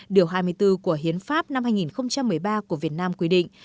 điều hai mươi bốn của hiến pháp năm hai nghìn một mươi ba của việt nam quy định